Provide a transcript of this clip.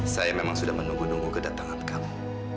saya memang sudah menunggu nunggu kedatangan kamu